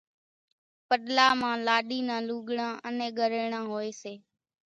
پڏلا مان لاڏِي نان لوُڳڙان انين ڳريڻان هوئيَ سي۔